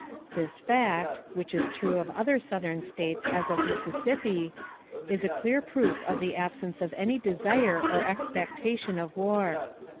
This fact (which is true of other Southern States as of Mississippi) is a clear proof of the absence of any desire or expectation of war.